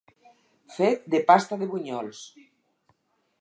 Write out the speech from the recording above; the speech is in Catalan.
Fet de pasta de bunyols.